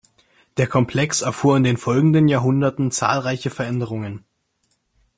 Der Komplex erfuhr in den folgenden Jahrhunderten zahlreiche Veränderungen.